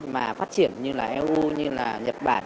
mà phát triển như là eu như là nhật bản